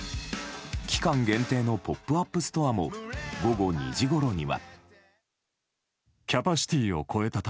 期間限定のポップアップストアも午後２時ごろには。